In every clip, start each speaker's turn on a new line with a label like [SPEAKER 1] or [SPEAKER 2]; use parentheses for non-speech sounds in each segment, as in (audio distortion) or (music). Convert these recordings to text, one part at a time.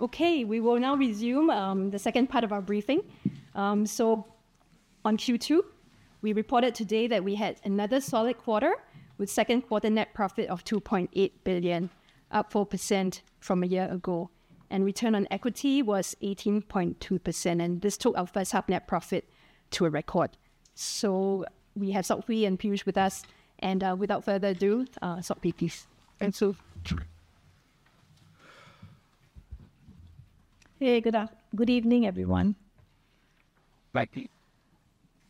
[SPEAKER 1] Okay, we will now resume the second part of our briefing. So on Q2, we reported today that we had another solid quarter with second quarter net profit of 2.8 billion, up 4% from a year ago. Return on equity was 18.2%, and this took our first half net profit to a record. So we have Sok Hui and Piyush with us. Without further ado, Sok Hui, please. Thanks, Sok.
[SPEAKER 2] Sure. Hey, good afternoon, good evening, everyone. (audio distortion)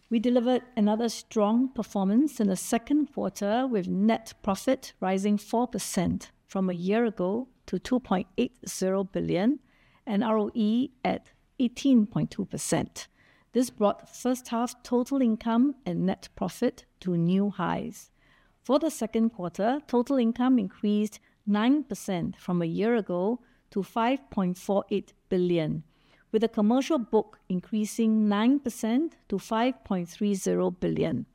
[SPEAKER 2] We delivered another strong performance in the second quarter with net profit rising 4% from a year ago to 2.80 billion and ROE at 18.2%. This brought first half total income and net profit to new highs. For the second quarter, total income increased 9% from a year ago to 5.48 billion, with the commercial book increasing 9% to 5.30 billion.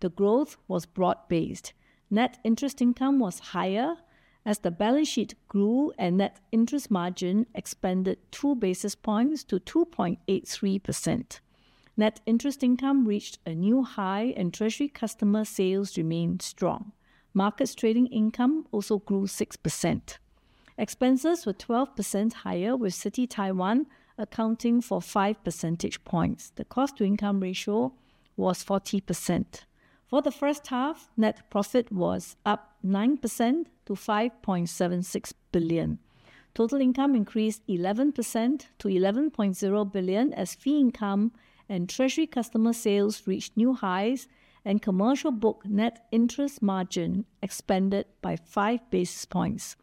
[SPEAKER 2] The growth was broad-based. Net interest income was higher as the balance sheet grew and net interest margin expanded 2 basis points to 2.83%. Net interest income reached a new high and Treasury customer sales remained strong. Markets trading income also grew 6%. Expenses were 12% higher with Citi Taiwan accounting for 5 percentage points. The cost-to-income ratio was 40%. For the first half, net profit was up 9% to 5.76 billion. Total income increased 11% to 11.0 billion as fee income and treasury customer sales reached new highs, and commercial book net interest margin expanded by 5 basis points.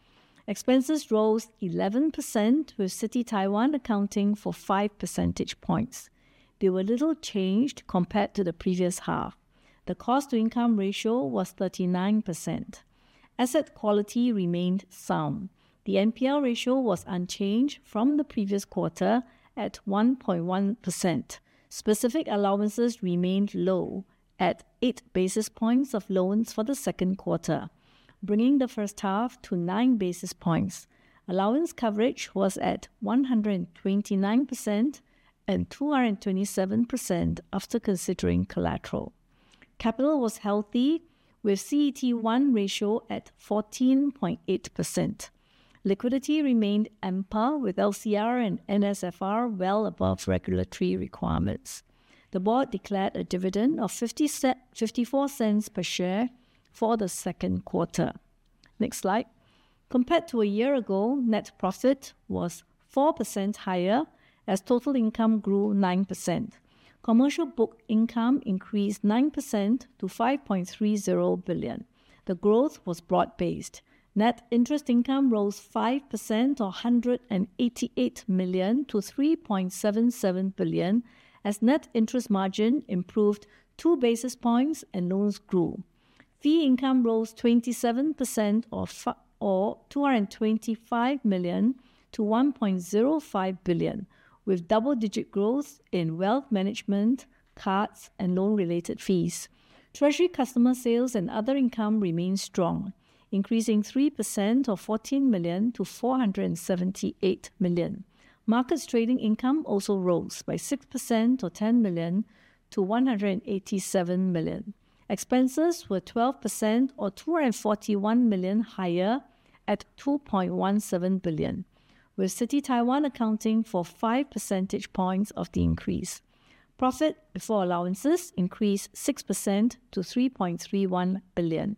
[SPEAKER 2] Expenses rose 11% with Citi Taiwan accounting for 5 percentage points. They were little changed compared to the previous half. The cost-to-income ratio was 39%. Asset quality remained sound. The NPL ratio was unchanged from the previous quarter at 1.1%. Specific allowances remained low at 8 basis points of loans for the second quarter, bringing the first half to 9 basis points. Allowance coverage was at 129% and 227% after considering collateral. Capital was healthy with CET1 ratio at 14.8%. Liquidity remained ample with LCR and NSFR well above regulatory requirements. The Board declared a dividend of 0.54 per share for the second quarter. Next slide. Compared to a year ago, net profit was 4% higher as total income grew 9%. Commercial book income increased 9% to 5.30 billion. The growth was broad-based. Net interest income rose 5% or 188 million-3.77 billion as net interest margin improved 2 basis points and loans grew. Fee income rose 27% or 225 million-1.05 billion, with double-digit growth in Wealth Management, cards, and loan-related fees. Treasury customer sales and other income remained strong, increasing 3% or 14 million-478 million. Markets trading income also rose by 6% or 10 million-187 million. Expenses were 12% or 241 million higher at 2.17 billion, with Citi Taiwan accounting for 5 percentage points of the increase. Profit before allowances increased 6% to 3.31 billion.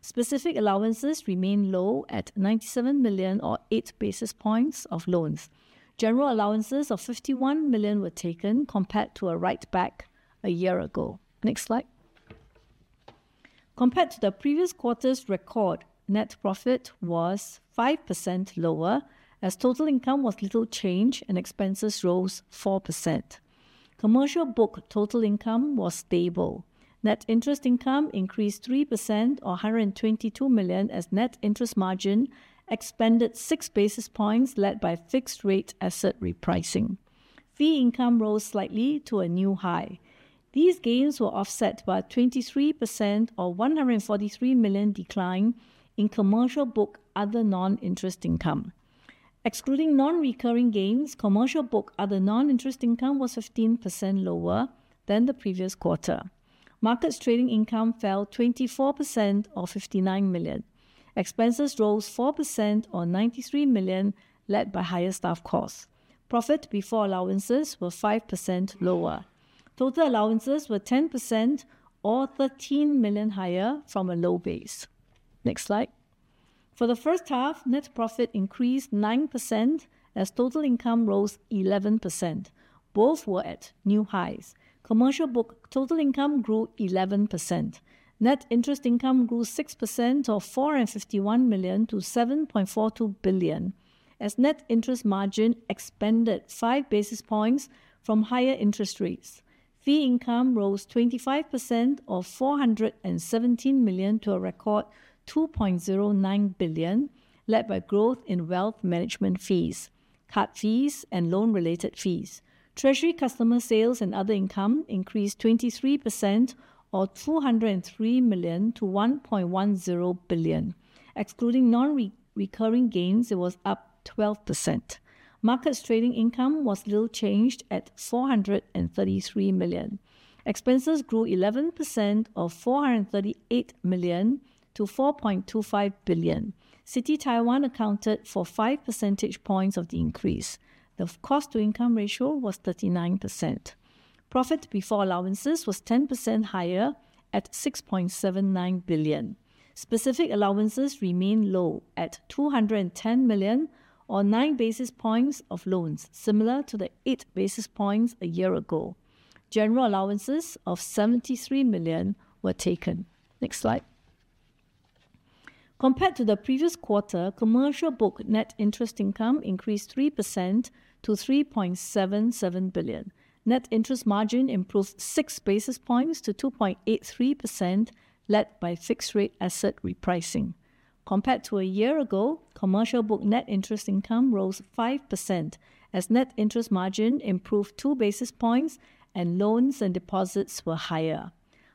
[SPEAKER 2] Specific allowances remained low at 97 million or 8 basis points of loans. General allowances of 51 million were taken compared to a write-back a year ago. Next slide. Compared to the previous quarter's record, net profit was 5% lower as total income was little changed and expenses rose 4%. Commercial book total income was stable. Net interest income increased 3% or 122 million as net interest margin expanded 6 basis points led by fixed-rate asset repricing. Fee income rose slightly to a new high. These gains were offset by a 23% or 143 million decline in commercial book other non-interest income. Excluding non-recurring gains, commercial book other non-interest income was 15% lower than the previous quarter. Markets trading income fell 24% or 59 million. Expenses rose 4% or 93 million led by higher staff costs. Profit before allowances were 5% lower. Total allowances were 10% or 13 million higher from a low base. Next slide. For the first half, net profit increased 9% as total income rose 11%. Both were at new highs. Commercial book total income grew 11%. Net interest income grew 6% or 451 million-7.42 billion as net interest margin expanded 5 basis points from higher interest rates. Fee income rose 25% or SGD 417 million to a record SGD 2.09 billion led by growth in Wealth Management fees, card fees, and loan-related fees. Treasury customer sales and other income increased 23% or 203 million-1.10 billion. Excluding non-recurring gains, it was up 12%. Markets trading income was little changed at 433 million. Expenses grew 11% or 438 million-4.25 billion. Citi Taiwan accounted for 5 percentage points of the increase. The cost-to-income ratio was 39%. Profit before allowances was 10% higher at 6.79 billion. Specific allowances remained low at 210 million or 9 basis points of loans, similar to the 8 basis points a year ago. General allowances of 73 million were taken. Next slide. Compared to the previous quarter, commercial book net interest income increased 3% to 3.77 billion. Net interest margin improved 6 basis points to 2.83% led by fixed-rate asset repricing. Compared to a year ago, commercial book net interest income rose 5% as net interest margin improved 2 basis points and loans and deposits were higher.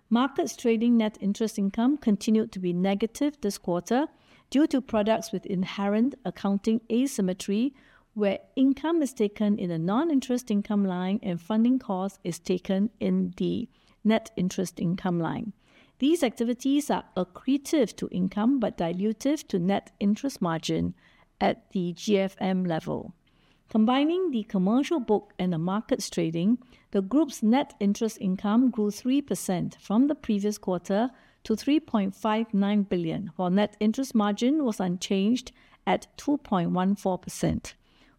[SPEAKER 2] Markets trading net interest income continued to be negative this quarter due to products with inherent accounting asymmetry, where income is taken in the non-interest income line and funding cost is taken in the net interest income line. These activities are accretive to income but dilutive to net interest margin at the GFM level. Combining the commercial book and the markets trading, the group's net interest income grew 3% from the previous quarter to 3.59 billion, while net interest margin was unchanged at 2.14%.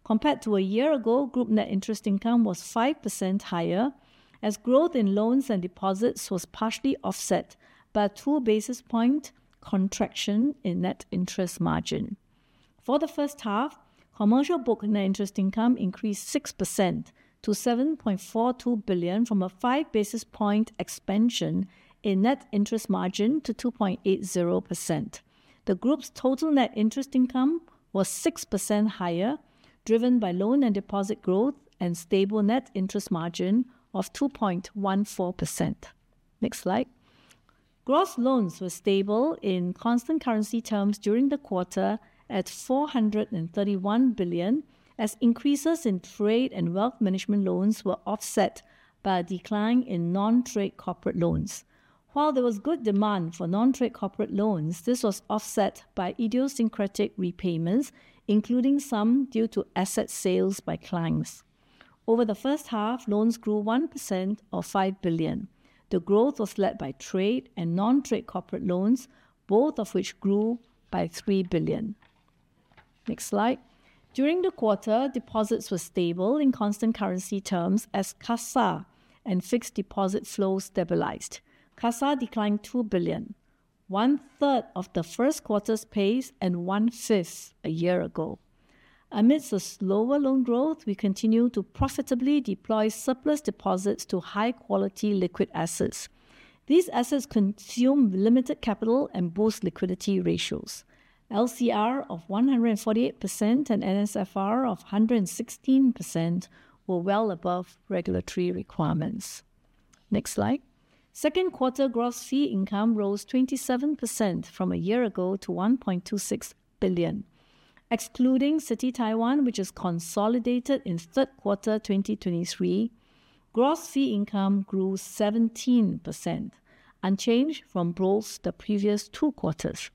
[SPEAKER 2] Compared to a year ago, group net interest income was 5% higher as growth in loans and deposits was partially offset by a 2 basis point contraction in net interest margin. For the first half, commercial book net interest income increased 6% to 7.42 billion from a 5 basis point expansion in net interest margin to 2.80%. The group's total net interest income was 6% higher, driven by loan and deposit growth and stable net interest margin of 2.14%. Next slide. Gross loans were stable in constant currency terms during the quarter at 431 billion as increases in trade and Wealth Management loans were offset by a decline in non-trade corporate loans. While there was good demand for non-trade corporate loans, this was offset by idiosyncratic repayments, including some due to asset sales by clients. Over the first half, loans grew 1% or 5 billion. The growth was led by trade and non-trade corporate loans, both of which grew by 3 billion. Next slide. During the quarter, deposits were stable in constant currency terms as CASA and fixed deposit flows stabilized. CASA declined 2 billion, 1/3 of the first quarter's pace, and 1/5 a year ago. Amidst the slower loan growth, we continue to profitably deploy surplus deposits to high-quality liquid assets. These assets consume limited capital and boost liquidity ratios. LCR of 148% and NSFR of 116% were well above regulatory requirements. Next slide. Second quarter gross fee income rose 27% from a year ago to 1.26 billion. Excluding Citi Taiwan, which has consolidated in third quarter 2023, gross fee income grew 17%, unchanged from growth the previous two quarters.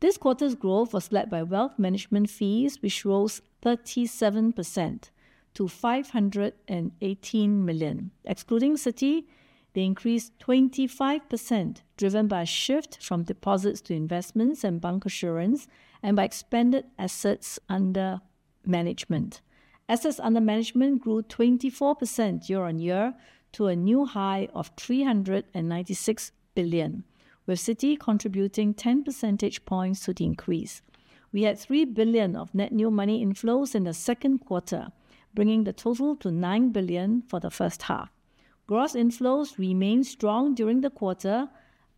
[SPEAKER 2] This quarter's growth was led by Wealth Management fees, which rose 37% to 518 million. Excluding Citi, they increased 25%, driven by a shift from deposits to investments and bancassurance, and by expanded assets under management. Assets under management grew 24% year-on-year to a new high of SGD 396 billion, with Citi contributing 10 percentage points to the increase. We had SGD 3 billion of net new money inflows in the second quarter, bringing the total to SGD 9 billion for the first half. Gross inflows remained strong during the quarter,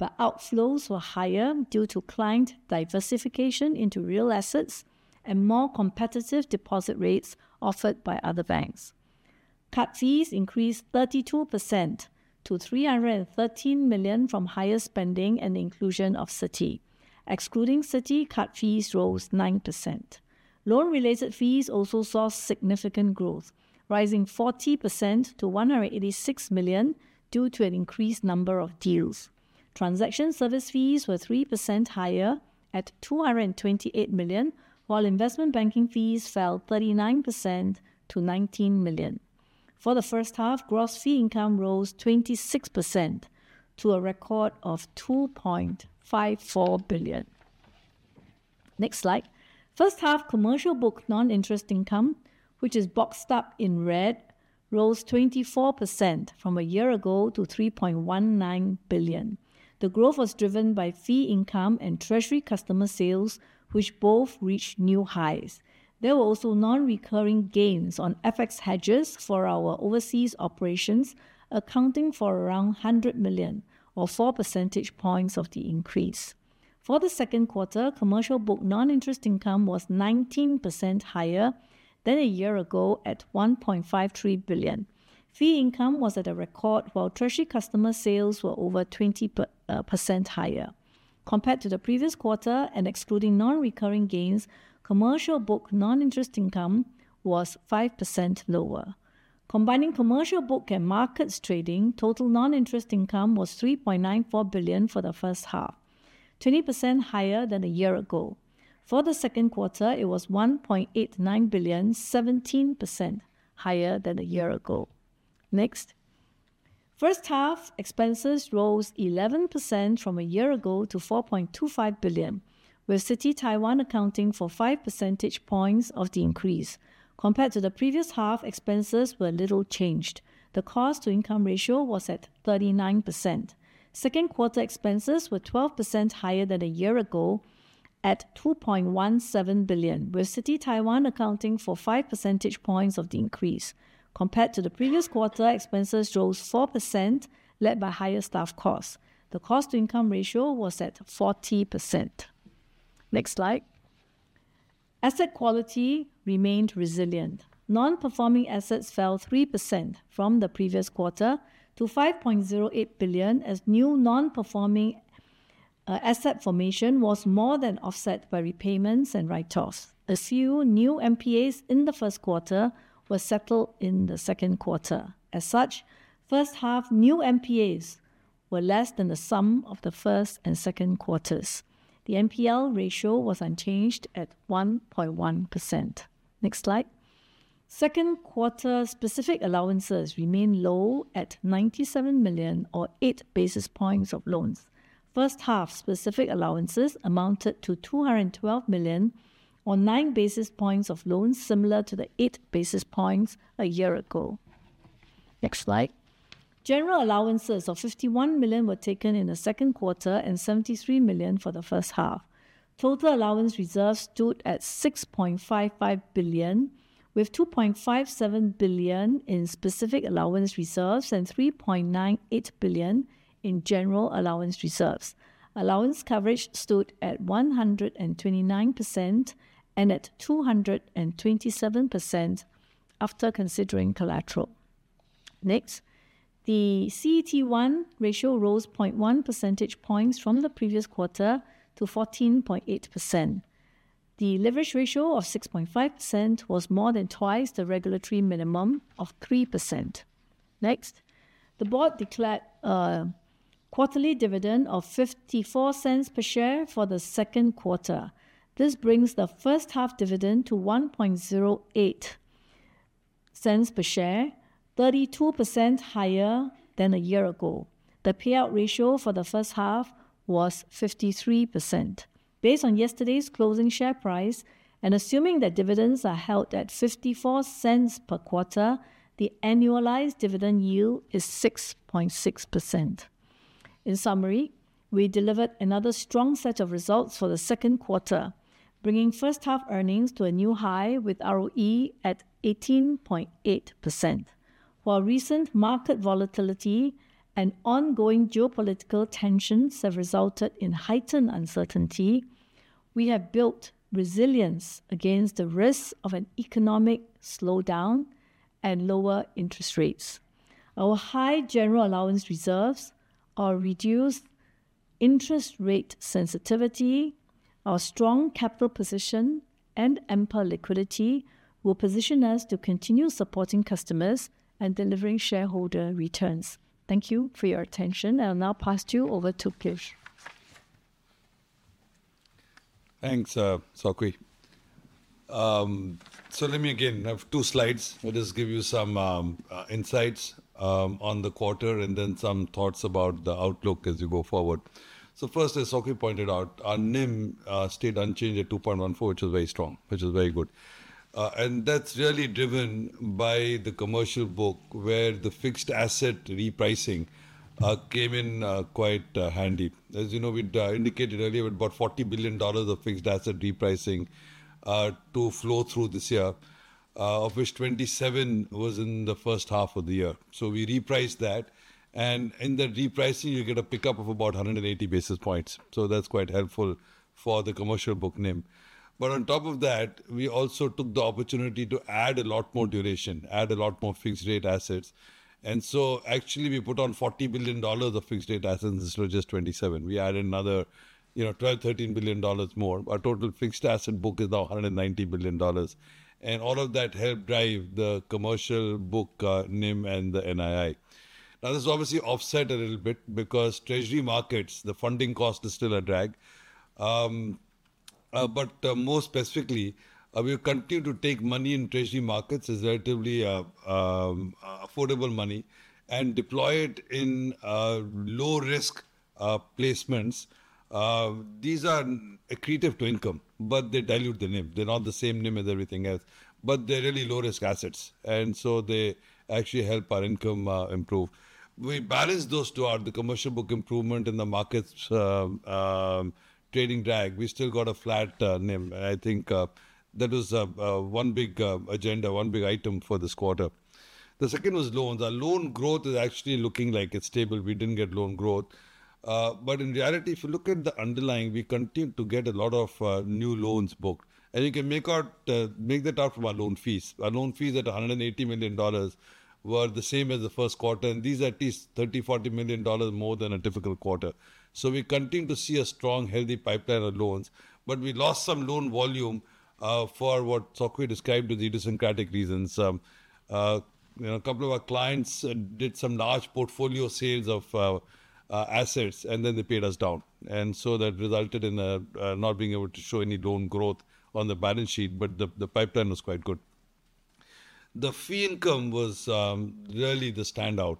[SPEAKER 2] but outflows were higher due to client diversification into real assets and more competitive deposit rates offered by other banks. Card fees increased 32% to 313 million from higher spending and the inclusion of Citi. Excluding Citi, Card fees rose 9%. Loan-related fees also saw significant growth, rising 40% to 186 million due to an increased number of deals. Transaction service fees were 3% higher at SGD 228 million, while investment banking fees fell 39% to SGD 19 million. For the first half, gross fee income rose 26% to a record of 2.54 billion. Next slide. First half commercial book non-interest income, which is boxed up in red, rose 24% from a year ago to SGD 3.19 billion. The growth was driven by fee income and Treasury customer sales, which both reached new highs. There were also non-recurring gains on FX hedges for our overseas operations, accounting for around 100 million or 4 percentage points of the increase. For the second quarter, commercial book non-interest income was 19% higher than a year ago at 1.53 billion. Fee income was at a record, while Treasury customer sales were over 20% higher. Compared to the previous quarter and excluding non-recurring gains, commercial book non-interest income was 5% lower. Combining commercial book and markets trading, total non-interest income was SGD 3.94 billion for the first half, 20% higher than a year ago. For the second quarter, it was 1.89 billion, 17% higher than a year ago. Next. First half expenses rose 11% from a year ago to 4.25 billion, with Citi Taiwan accounting for 5 percentage points of the increase. Compared to the previous half, expenses were little changed. The cost-to-income ratio was at 39%. Second quarter expenses were 12% higher than a year ago at 2.17 billion, with Citi Taiwan accounting for 5 percentage points of the increase. Compared to the previous quarter, expenses rose 4% led by higher staff costs. The cost-to-income ratio was at 40%. Next slide. Asset quality remained resilient. Non-performing assets fell 3% from the previous quarter to 5.08 billion as new non-performing asset formation was more than offset by repayments and write-offs. A few new NPAs in the first quarter were settled in the second quarter. As such, first half new NPAs were less than the sum of the first and second quarters. The NPL ratio was unchanged at 1.1%. Next slide. Second quarter specific allowances remained low at 97 million or 8 basis points of loans. First half specific allowances amounted to SGD 212 million or 9 basis points of loans, similar to the 8 basis points a year ago. Next slide. General allowances of 51 million were taken in the second quarter and 73 million for the first half. Total allowance reserves stood at 6.55 billion, with 2.57 billion in specific allowance reserves and 3.98 billion in general allowance reserves. Allowance coverage stood at 129% and at 227% after considering collateral. Next. The CET1 ratio rose 0.1 percentage points from the previous quarter to 14.8%. The leverage ratio of 6.5% was more than twice the regulatory minimum of 3%. Next. The Board declared a quarterly dividend of 0.54 per share for the second quarter. This brings the first half dividend to 1.08 per share, 32% higher than a year ago. The payout ratio for the first half was 53%. Based on yesterday's closing share price, and assuming that dividends are held at 0.54 per quarter, the annualized dividend yield is 6.6%. In summary, we delivered another strong set of results for the second quarter, bringing first half earnings to a new high with ROE at 18.8%. While recent market volatility and ongoing geopolitical tensions have resulted in heightened uncertainty, we have built resilience against the risks of an economic slowdown and lower interest rates. Our high general allowance reserves, our reduced interest rate sensitivity, our strong capital position, and ample liquidity will position us to continue supporting customers and delivering shareholder returns. Thank you for your attention. I'll now pass you over to Piyush.
[SPEAKER 3] Thanks, Sok Hui. So let me again, I have two slides. Let us give you some insights on the quarter and then some thoughts about the outlook as you go forward. So first, as Sok Hui pointed out, our NIM stayed unchanged at 2.14%, which is very strong, which is very good. And that's really driven by the commercial book, where the fixed asset repricing came in quite handy. As you know, we'd indicated earlier with about $40 billion of fixed asset repricing to flow through this year, of which $27 billion was in the first half of the year. So we repriced that. In that repricing, you get a pickup of about 180 basis points. That's quite helpful for the commercial book NIM. On top of that, we also took the opportunity to add a lot more duration, add a lot more fixed-rate assets. Actually, we put on $40 billion of fixed-rate assets instead of just $27 billion. We added another, you know, $12 billion-$13 billion more. Our total fixed asset book is now $190 billion. All of that helped drive the commercial book NIM and the NII. Now, this obviously offset a little bit because Treasury Markets, the funding costs are still a drag. More specifically, we continue to take money in Treasury Markets as relatively affordable money and deploy it in low-risk placements. These are accretive to income, but they dilute the NIM. They're not the same NIM as everything else, but they're really low-risk assets. And so they actually help our income improve. We balanced those two out. The commercial book improvement and the markets' trading drag, we still got a flat NIM. And I think that was one big agenda, one big item for this quarter. The second was loans. Our loan growth is actually looking like it's stable. We didn't get loan growth. But in reality, if you look at the underlying, we continue to get a lot of new loans booked. And you can make out, make that out from our loan fees. Our loan fees at $180 million were the same as the first quarter. And these are at least $30 million-$40 million more than a typical quarter. So we continue to see a strong, healthy pipeline of loans. But we lost some loan volume for what Sok Hui described as idiosyncratic reasons. You know, a couple of our clients did some large portfolio sales of assets, and then they paid us down. And so that resulted in not being able to show any loan growth on the balance sheet, but the pipeline was quite good. The fee income was really the standout.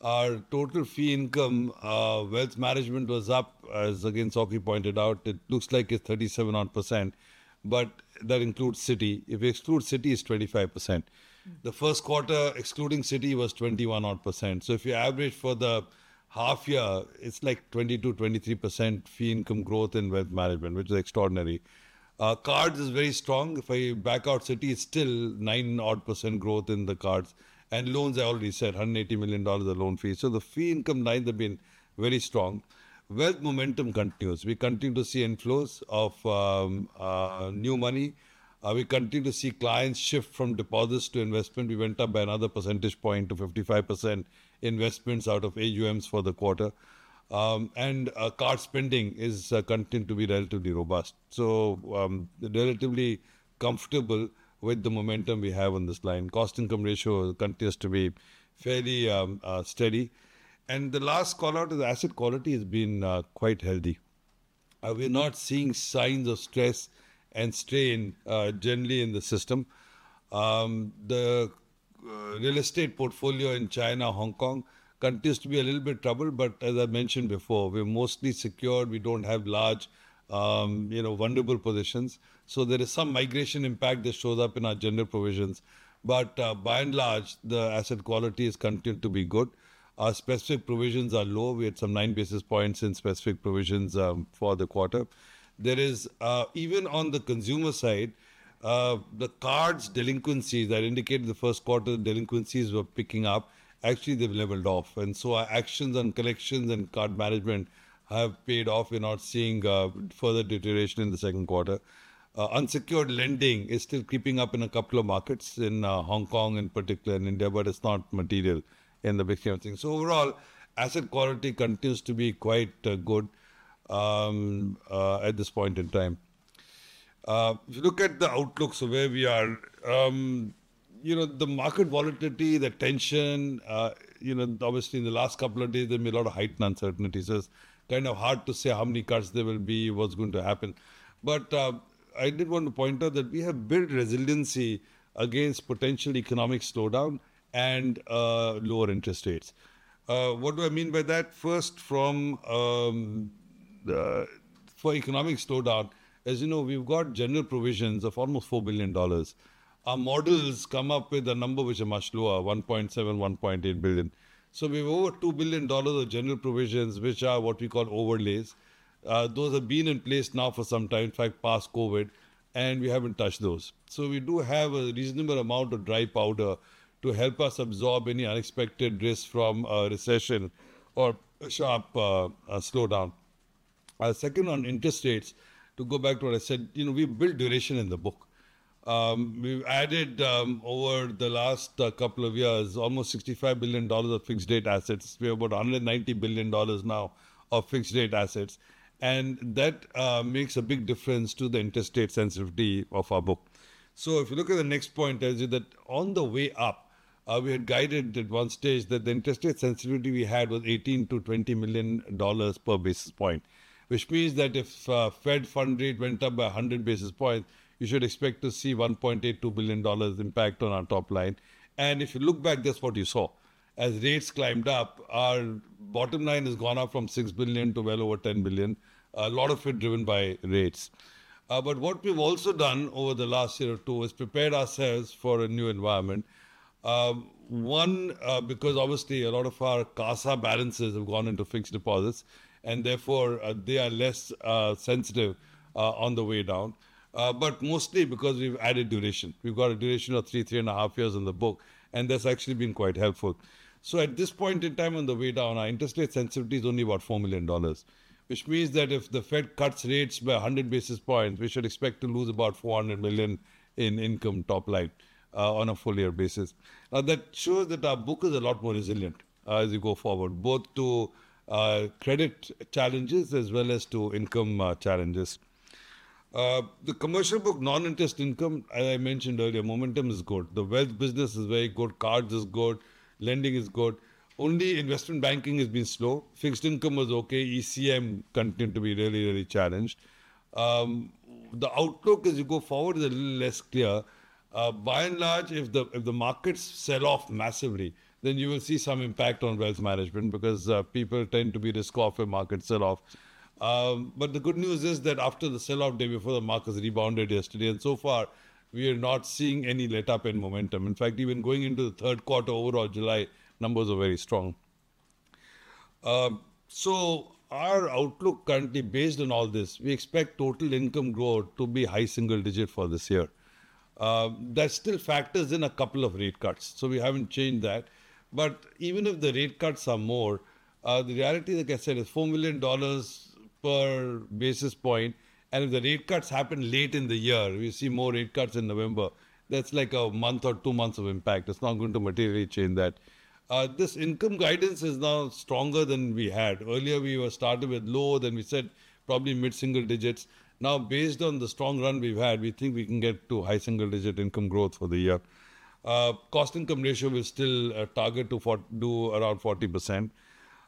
[SPEAKER 3] Our total fee income, Wealth Management was up, as again, Sok Hui pointed out. It looks like it's 37-odd%, but that includes Citi. If we exclude Citi, it's 25%. The first quarter excluding Citi was 21-odd%. So if you average for the half year, it's like 22%, 23% fee income growth in Wealth Management, which is extraordinary. Cards is very strong. If I back out Citi, it's still 9-odd% growth in the cards. And loans, I already said, 180 million dollars of loan fees. So the fee income lines have been very strong. Wealth momentum continues. We continue to see inflows of new money. We continue to see clients shift from deposits to investment. We went up by another percentage point to 55% investments out of AUMs for the quarter. Card spending is continuing to be relatively robust. Relatively comfortable with the momentum we have on this line. Cost-income ratio continues to be fairly steady. The last callout is asset quality has been quite healthy. We're not seeing signs of stress and strain generally in the system. The real estate portfolio in China, Hong Kong continues to be a little bit troubled, but as I mentioned before, we're mostly secure. We don't have large, you know, vulnerable positions. There is some migration impact that shows up in our general provisions. But by and large, the asset quality has continued to be good. Our specific provisions are low. We had some 9 basis points in specific provisions for the quarter. There is, even on the consumer side, the cards delinquencies that indicated the first quarter delinquencies were picking up, actually they've leveled off. And so our actions on collections and card management have paid off. We're not seeing further deterioration in the second quarter. Unsecured lending is still creeping up in a couple of markets, in Hong Kong in particular and India, but it's not material in the big scheme of things. So overall, asset quality continues to be quite good at this point in time. If you look at the outlooks of where we are, you know, the market volatility, the tension, you know, obviously in the last couple of days, there've been a lot of heightened uncertainty. So it's kind of hard to say how many cuts there will be, what's going to happen. But I did want to point out that we have built resiliency against potential economic slowdown and lower interest rates. What do I mean by that? First, for economic slowdown, as you know, we've got general provisions of almost $4 billion. Our models come up with a number which are much lower, $1.7 billion-$1.8 billion. So we have over $2 billion of general provisions, which are what we call overlays. Those have been in place now for some time, in fact, past COVID, and we haven't touched those. So we do have a reasonable amount of dry powder to help us absorb any unexpected risks from a recession or a sharp slowdown. Second, on interest rates, to go back to what I said, you know, we've built duration in the book. We've added over the last couple of years, almost $65 billion of fixed-rate assets. We have about $190 billion now of fixed-rate assets. And that makes a big difference to the interest rate sensitivity of our book. So if you look at the next point, I'll tell you that on the way up, we had guided at one stage that the interest rate sensitivity we had was $18 million-$20 million per basis point, which means that if Fed fund rate went up by 100 basis points, you should expect to see $1.82 billion impact on our top line. And if you look back, that's what you saw. As rates climbed up, our bottom line has gone up from $6 billion to well over $10 billion, a lot of it driven by rates. But what we've also done over the last year or two is prepared ourselves for a new environment. One, because obviously a lot of our CASA balances have gone into fixed deposits, and therefore they are less sensitive on the way down. But mostly because we've added duration. We've got a duration of three, three and a half years in the book, and that's actually been quite helpful. So at this point in time, on the way down, our interest rate sensitivity is only about $4 million, which means that if the Fed cuts rates by 100 basis points, we should expect to lose about $400 million in income top line on a full-year basis. Now, that shows that our book is a lot more resilient as you go forward, both to credit challenges as well as to income challenges. The commercial book, non-interest income, as I mentioned earlier, momentum is good. The wealth business is very good. Cards are good. Lending is good. Only investment banking has been slow. Fixed income was okay. ECM continued to be really, really challenged. The outlook as you go forward is a little less clear. By and large, if the markets sell off massively, then you will see some impact on Wealth Management because people tend to be risk-off when markets sell off. But the good news is that after the sell-off day before, the markets rebounded yesterday. And so far, we are not seeing any letup in momentum. In fact, even going into the third quarter overall, July numbers are very strong. So our outlook currently based on all this, we expect total income growth to be high single digit for this year. That still factors in a couple of rate cuts. So we haven't changed that. But even if the rate cuts are more, the reality, like I said, is $4 million per basis point. And if the rate cuts happen late in the year, we see more rate cuts in November, that's like a month or two months of impact. It's not going to materially change that. This income guidance is now stronger than we had. Earlier, we were started with low, then we said probably mid-single digits. Now, based on the strong run we've had, we think we can get to high single digit income growth for the year. Cost-income ratio will still target to do around 40%.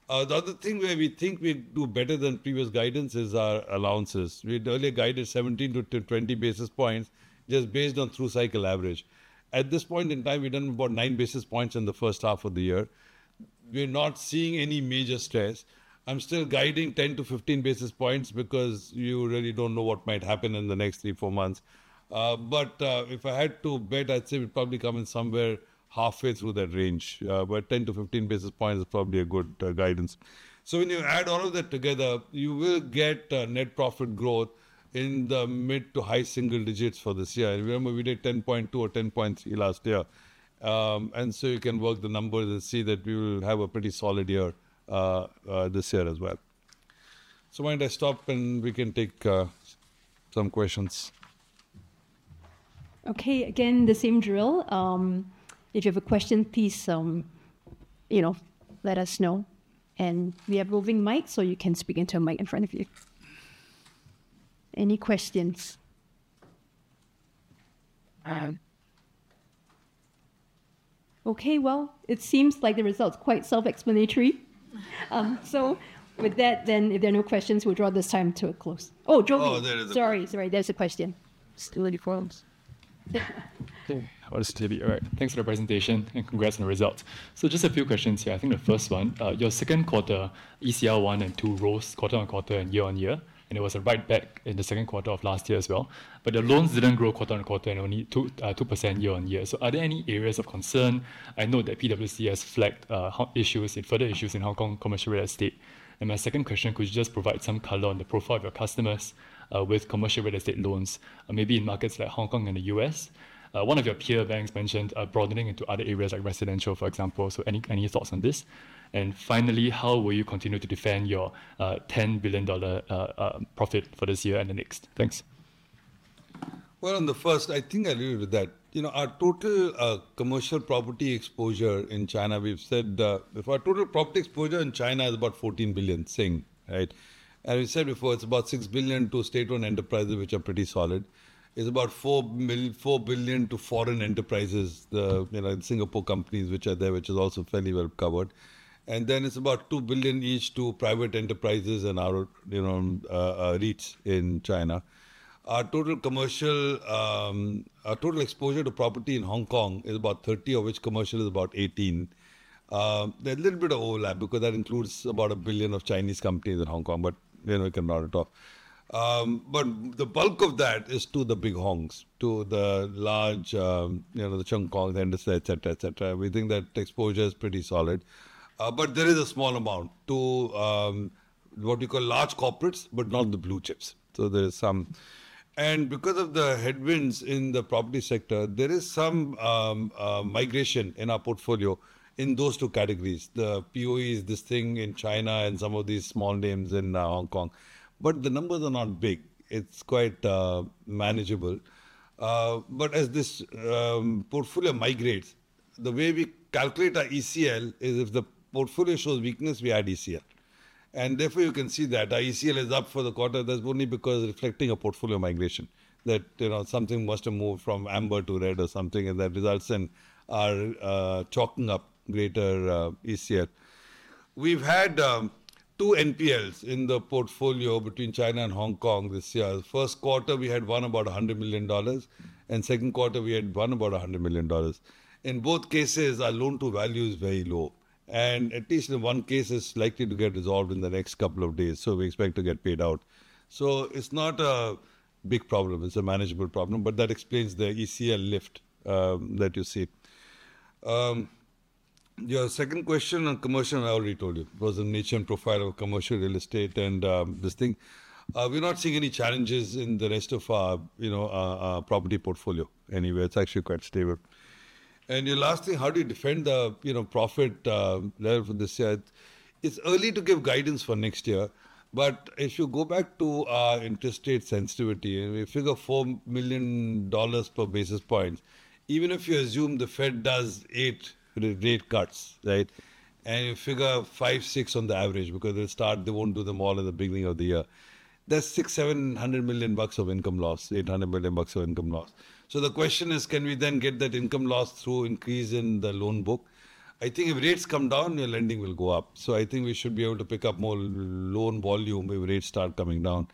[SPEAKER 3] The other thing where we think we do better than previous guidance is our allowances. We had earlier guided 17-20 basis points just based on through-cycle average. At this point in time, we've done about 9 basis points in the first half of the year. We're not seeing any major stress. I'm still guiding 10-15 basis points because you really don't know what might happen in the next three, four months. But if I had to bet, I'd say we'd probably come in somewhere halfway through that range. But 10-15 basis points is probably a good guidance. So when you add all of that together, you will get net profit growth in the mid- to high single digits for this year. And remember, we did 10.2% or 10.3% last year. And so you can work the numbers and see that we will have a pretty solid year this year as well. So why don't I stop and we can take some questions.
[SPEAKER 1] Okay. Again, the same drill. If you have a question, please, you know, let us know. And we have moving mics so you can speak into a mic in front of you. Any questions? Okay. Well, it seems like the result's quite self-explanatory. So with that, then if there are no questions, we'll draw this time to a close. Oh, John Lee. Oh, there it is. Sorry. Sorry. There's a question. Still any questions?
[SPEAKER 4] Okay. What is it, David? All right. Thanks for the presentation and congrats on the results. So just a few questions here. I think the first one, your second quarter, ECR one and two rose quarter-on-quarter and year-on-year. And it was right back in the second quarter of last year as well. But the loans didn't grow quarter-on-quarter and only 2% year-on-year. So are there any areas of concern? I know that PwC has flagged issues, further issues in Hong Kong commercial real estate. My second question, could you just provide some color on the profile of your customers with commercial real estate loans, maybe in markets like Hong Kong and the U.S.? One of your peer banks mentioned broadening into other areas like residential, for example. So any thoughts on this? Finally, how will you continue to defend your 10 billion dollar profit for this year and the next? Thanks.
[SPEAKER 3] Well, on the first, I think I'll leave it with that. You know, our total commercial property exposure in China, we've said that our total property exposure in China is about 14 billion, SGD, right? We said before, it's about 6 billion to state-owned enterprises, which are pretty solid. It's about 4 billion to foreign enterprises, you know, Singapore companies which are there, which is also fairly well covered. And then it's about 2 billion each to private enterprises and our, you know, REITs in China. Our total commercial, our total exposure to property in Hong Kong is about 30 billion, of which commercial is about 18 billion. There's a little bit of overlap because that includes about 1 billion of Chinese companies in Hong Kong, but you know, we can round it off. But the bulk of that is to the big Hongs, to the large, you know, the Cheung Kong, the Henderson Land, et cetera, et cetera. We think that exposure is pretty solid. But there is a small amount to what we call large corporates, but not the blue chips. So there is some. Because of the headwinds in the property sector, there is some migration in our portfolio in those two categories. The POEs, this thing in China and some of these small names in Hong Kong. But the numbers are not big. It's quite manageable. But as this portfolio migrates, the way we calculate our ECL is if the portfolio shows weakness, we add ECL. And therefore, you can see that our ECL is up for the quarter. That's only because, reflecting a portfolio migration, that, you know, something must have moved from amber to red or something and that results in our chalking up greater ECL. We've had two NPLs in the portfolio between China and Hong Kong this year. First quarter, we had one about $100 million. And second quarter, we had one about $100 million. In both cases, our loan-to-value is very low. At least in one case, it's likely to get resolved in the next couple of days. So we expect to get paid out. So it's not a big problem. It's a manageable problem. But that explains the ECL lift that you see. Your second question on commercial, I already told you, it was the nature and profile of commercial real estate and this thing. We're not seeing any challenges in the rest of our, you know, property portfolio anywhere. It's actually quite stable. And your last thing, how do you defend the, you know, profit level for this year? It's early to give guidance for next year. But if you go back to our interest rate sensitivity and we figure $4 million per basis point, even if you assume the Fed does eight rebate cuts, right? You figure five, six on the average because they'll start, they won't do them all in the beginning of the year. That's $600 million-$700 million bucks of income loss, $800 million bucks of income loss. So the question is, can we then get that income loss through increase in the loan book? I think if rates come down, your lending will go up. So I think we should be able to pick up more loan volume if rates start coming down.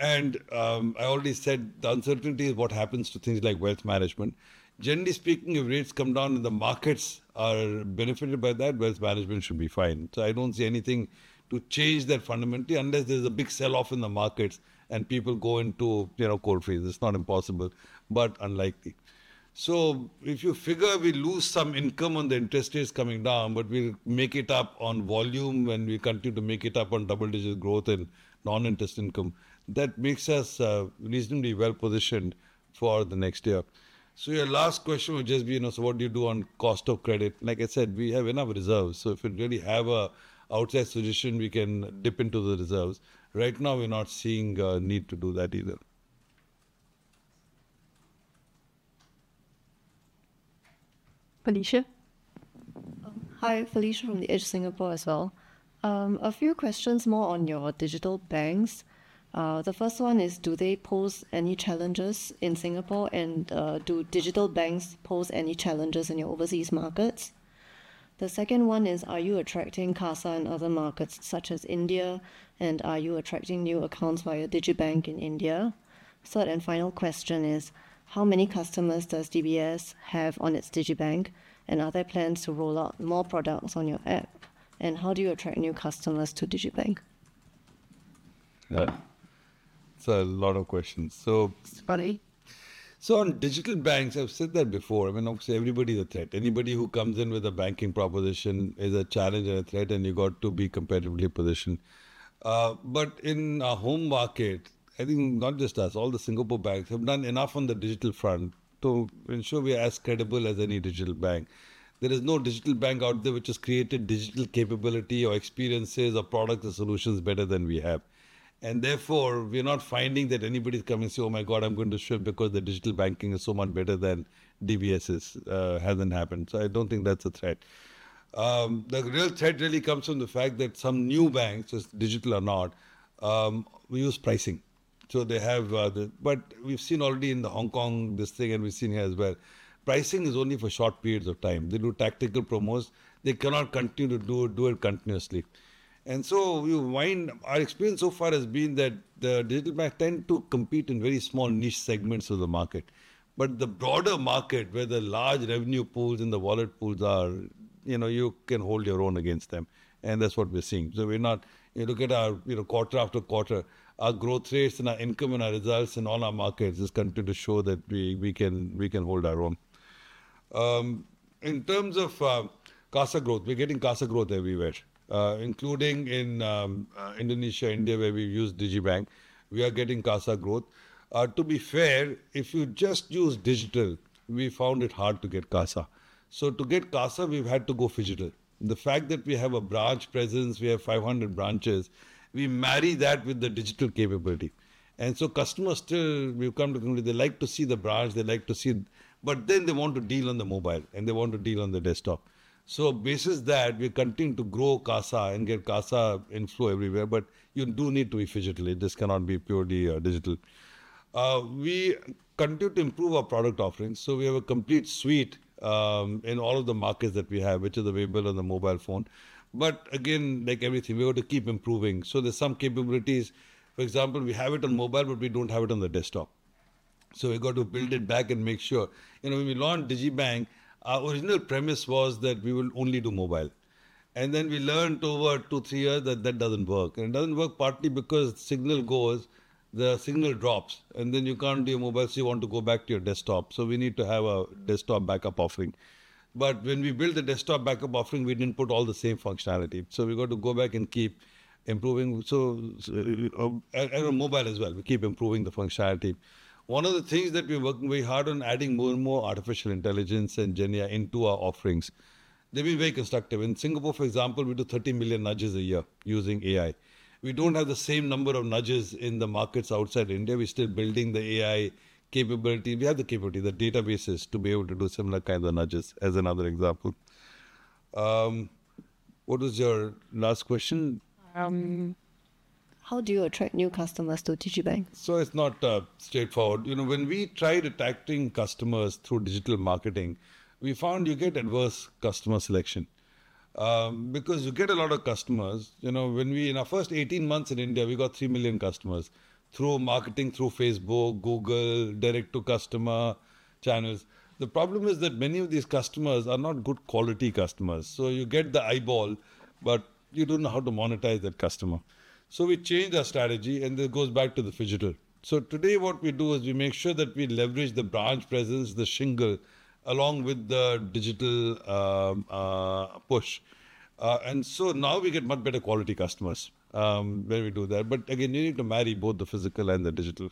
[SPEAKER 3] And I already said the uncertainty is what happens to things like Wealth Management. Generally speaking, if rates come down and the markets are benefited by that, Wealth Management should be fine. So I don't see anything to change that fundamentally unless there's a big sell-off in the markets and people go into, you know, cold freeze. It's not impossible, but unlikely. So if you figure we lose some income on the interest rates coming down, but we'll make it up on volume and we continue to make it up on double-digit growth and non-interest income, that makes us reasonably well positioned for the next year. So your last question would just be, you know, so what do you do on cost of credit? Like I said, we have enough reserves. So if we really have an outside solution, we can dip into the reserves. Right now, we're not seeing a need to do that either.
[SPEAKER 1] Felicia?
[SPEAKER 5] Hi, Felicia from The Edge Singapore as well. A few questions more on your digital banks. The first one is, do they pose any challenges in Singapore? And do digital banks pose any challenges in your overseas markets? The second one is, are you attracting CASA in other markets such as India? And are you attracting new accounts via digibank in India? Third and final question is, how many customers does DBS have on its digibank? And are there plans to roll out more products on your app? And how do you attract new customers to digibank?
[SPEAKER 3] That's a lot of questions. So...
[SPEAKER 5] Sorry.
[SPEAKER 3] So on digital banks, I've said that before. I mean, obviously everybody's a threat. Anybody who comes in with a banking proposition is a challenge and a threat, and you've got to be competitively positioned. But in our home market, I think not just us, all the Singapore banks have done enough on the digital front to ensure we are as credible as any digital bank. There is no digital bank out there which has created digital capability or experiences or products or solutions better than we have. And therefore, we're not finding that anybody's coming and saying, "Oh my God, I'm going to shift because the digital banking is so much better than DBS's." It hasn't happened. So I don't think that's a threat. The real threat really comes from the fact that some new banks, whether it's digital or not, use pricing. So they have... But we've seen already in Hong Kong this thing, and we've seen here as well. Pricing is only for short periods of time. They do tactical promos. They cannot continue to do it continuously. And so you find our experience so far has been that the digital banks tend to compete in very small niche segments of the market. But the broader market, where the large revenue pools and the wallet pools are, you know, you can hold your own against them. And that's what we're seeing. So we're not... You look at our, you know, quarter after quarter, our growth rates and our income and our results in all our markets just continue to show that we can hold our own. In terms of CASA growth, we're getting CASA growth everywhere, including in Indonesia, India, where we've used digibank. We are getting CASA growth. To be fair, if you just use digital, we found it hard to get CASA. So to get CASA, we've had to go phygital. The fact that we have a branch presence, we have 500 branches, we marry that with the digital capability. And so customers still, we've come to the community, they like to see the branch, they like to see... But then they want to deal on the mobile and they want to deal on the desktop. So based on that, we continue to grow CASA and get CASA inflow everywhere. But you do need to be phygital. It just cannot be purely digital. We continue to improve our product offerings. So we have a complete suite in all of the markets that we have, which is available on the mobile phone. But again, like everything, we've got to keep improving. So there's some capabilities. For example, we have it on mobile, but we don't have it on the desktop. So we've got to build it back and make sure... You know, when we launched digibank, our original premise was that we will only do mobile. And then we learned over two, three years that that doesn't work. And it doesn't work partly because signal goes, the signal drops, and then you can't do your mobile, so you want to go back to your desktop. So we need to have a desktop backup offering. But when we built the desktop backup offering, we didn't put all the same functionality. So we've got to go back and keep improving. So on mobile as well, we keep improving the functionality. One of the things that we're working very hard on is adding more and more artificial intelligence and GenAI into our offerings. They've been very constructive. In Singapore, for example, we do 30 million nudges a year using AI. We don't have the same number of nudges in the markets outside India. We're still building the AI capability. We have the capability, the databases to be able to do similar kinds of nudges, as another example. What was your last question?
[SPEAKER 5] How do you attract new customers to digibank?
[SPEAKER 3] So it's not straightforward. You know, when we tried attracting customers through digital marketing, we found you get adverse customer selection because you get a lot of customers. You know, when we, in our first 18 months in India, we got 3 million customers through marketing, through Facebook, Google, direct-to-customer channels. The problem is that many of these customers are not good quality customers. So you get the eyeball, but you don't know how to monetize that customer. So we changed our strategy, and this goes back to the phygital. So today what we do is we make sure that we leverage the branch presence, the shingle, along with the digital push. And so now we get much better quality customers when we do that. But again, you need to marry both the physical and the digital.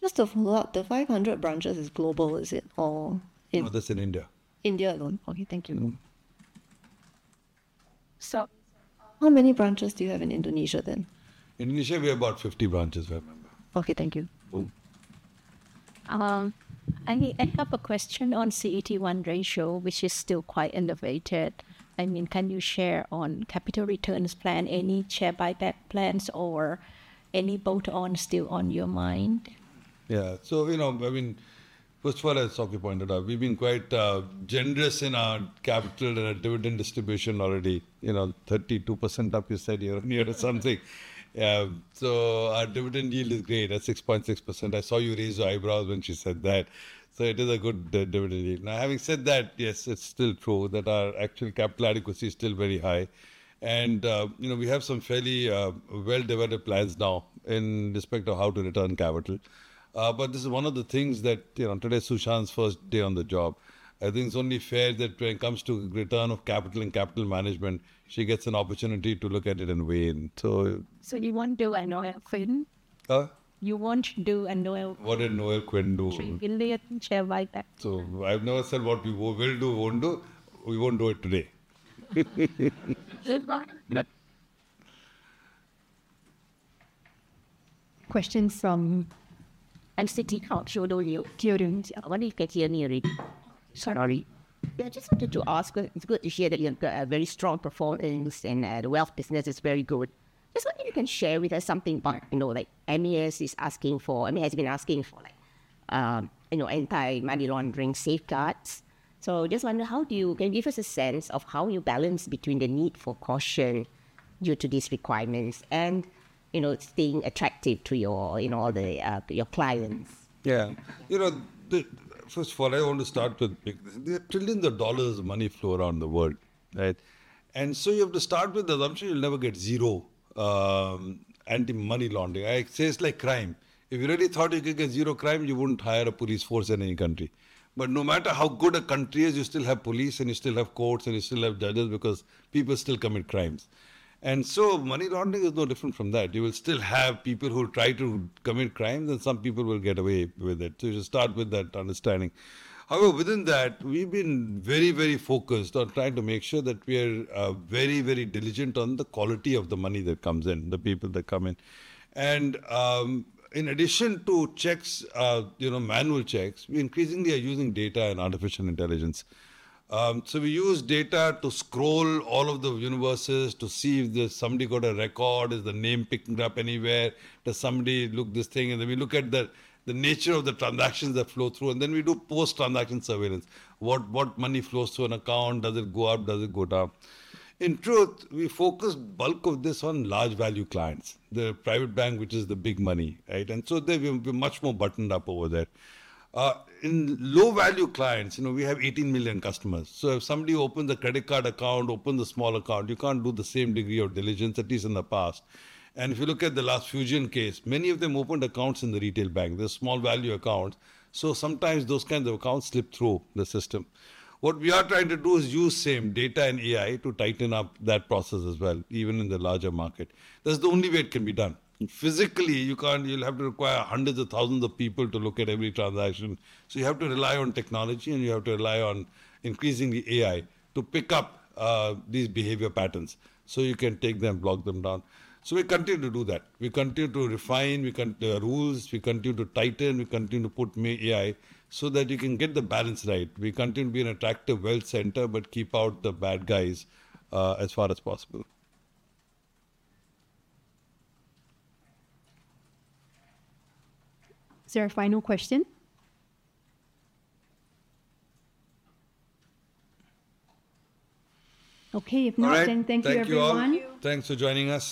[SPEAKER 5] Just to follow up, the 500 branches is global, is it? Or in...
[SPEAKER 3] No, that's in India.
[SPEAKER 5] India alone. Okay. Thank you.
[SPEAKER 6] How many branches do you have in Indonesia then?
[SPEAKER 3] Indonesia, we have about 50 branches, if I remember.
[SPEAKER 6] Okay. Thank you.
[SPEAKER 7] I have a question on CET1 ratio, which is still quite elevated. I mean, can you share on capital returns plan, any share buyback plans, or any buyback still on your mind?
[SPEAKER 3] Yeah. So, you know, I mean, first of all, as Sok Hui pointed out, we've been quite generous in our capital and our dividend distribution already. You know, 32% up, you said, year-over-year or something. So our dividend yield is great. That's 6.6%. I saw you raise your eyebrows when she said that. So it is a good dividend yield. Now, having said that, yes, it's still true that our actual capital adequacy is still very high. You know, we have some fairly well-developed plans now in respect to how to return capital. But this is one of the things that, you know, today is Su Shan's first day on the job. I think it's only fair that when it comes to return of capital and capital management, she gets an opportunity to look at it and weigh in. So...
[SPEAKER 7] So you won't do a Noel Quinn?
[SPEAKER 3] Huh?
[SPEAKER 7] You won't do a Noel...
[SPEAKER 3] What did Noel Quinn do?
[SPEAKER 7] [Trade India] and share buyback.
[SPEAKER 3] So I've never said what we will do, won't do. We won't do it today.
[SPEAKER 1] Question from LCT Cultural [Union].
[SPEAKER 8] I don't know if you can hear me already. Sorry. Yeah, I just wanted to ask, it's good to hear that you have very strong performance and the wealth business is very good. Just wonder if you can share with us something about, you know, like MES is asking for, I mean, has been asking for like, you know, anti-money laundering safeguards. So I just wonder, how do you, can you give us a sense of how you balance between the need for caution due to these requirements and, you know, staying attractive to your, you know, all the, your clients?
[SPEAKER 3] Yeah. You know, the first of all, I want to start with big things. There are trillions of dollars of money flow around the world, right? And so you have to start with the assumption you'll never get zero anti-money laundering. I say it's like crime. If you really thought you could get zero crime, you wouldn't hire a police force in any country. But no matter how good a country is, you still have police and you still have courts and you still have judges because people still commit crimes. And so money laundering is no different from that. You will still have people who try to commit crimes and some people will get away with it. So you should start with that understanding. However, within that, we've been very, very focused on trying to make sure that we are very, very diligent on the quality of the money that comes in, the people that come in. And, in addition to checks, you know, manual checks, we increasingly are using data and artificial intelligence. So we use data to scroll all of the universes to see if there's somebody got a record, is the name picking up anywhere, does somebody look at this thing? And then we look at the nature of the transactions that flow through. And then we do post-transaction surveillance. What money flows through an account? Does it go up? Does it go down? In truth, we focus a bulk of this on large value clients, the private bank, which is the big money, right? And so we're much more buttoned up over there. In low value clients, you know, we have 18 million customers. So if somebody opens a credit card account, opens a small account, you can't do the same degree of diligence, at least in the past. And if you look at the last Fujian case, many of them opened accounts in the retail bank. They're small value accounts. So sometimes those kinds of accounts slip through the system. What we are trying to do is use the same data and AI to tighten up that process as well, even in the larger market. That's the only way it can be done. Physically, you can't, you'll have to require hundreds of thousands of people to look at every transaction. So you have to rely on technology and you have to rely on increasingly AI to pick up these behavior patterns so you can take them, block them down. So we continue to do that. We continue to refine the rules. We continue to tighten. We continue to put AI so that you can get the balance right. We continue to be an attractive wealth center, but keep out the bad guys, as far as possible.
[SPEAKER 1] Is there a final question? Okay. If not, then thank you, everyone.
[SPEAKER 3] Thank you. Thanks for joining us.